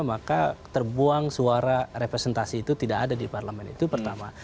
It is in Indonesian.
maka terbuang suara representasi itu tidak ada di parlemen itu pertama